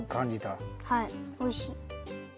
はいおいしい。